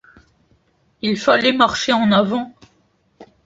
Il fallait marcher en avant.